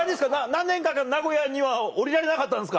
何年間か名古屋には降りられなかったんですか。